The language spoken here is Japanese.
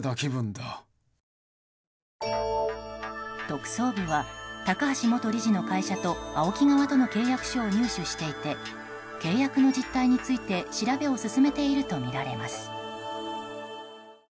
特捜部は高橋元理事の会社とＡＯＫＩ側との契約書を入手していて契約の実態について調べを進めているとみられます。